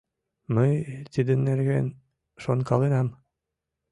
— Мый тидын нерген шонкаленам.